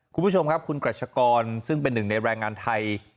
คุณผู้ชมครับคุณกรัชกรซึ่งเป็นหนึ่งในแรงงานไทย